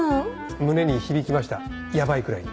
胸に響きましたヤバいくらいに。